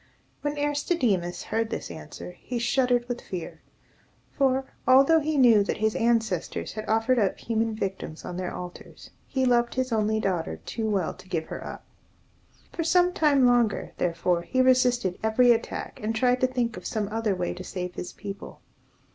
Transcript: When Aristodemus heard this answer, he shuddered with fear; for, although he knew that his ancestors had offered up human victims on their altars, he loved his only daughter too well to give her up. For some time longer, therefore, he resisted every attack, and tried to think of some other way to save his people.